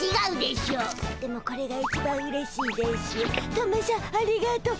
トメしゃんありがとう。